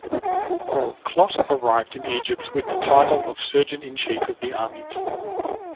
Clot arrived in Egypt with the title of Surgeon-in-Chief of the Armies.